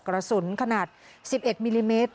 กระสุนขนาด๑๑มิลลิเมตร